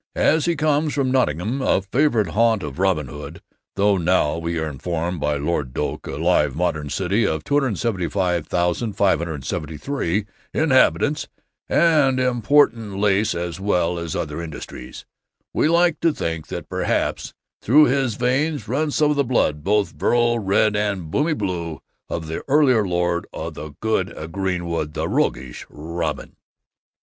As he comes from Nottingham, a favorite haunt of Robin Hood, though now, we are informed by Lord Doak, a live modern city of 275,573 inhabitants, and important lace as well as other industries, we like to think that perhaps through his veins runs some of the blood, both virile red and bonny blue, of that earlier lord o' the good greenwood, the roguish Robin.